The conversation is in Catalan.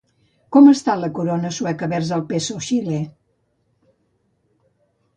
Com està la corona sueca vers peso xilè?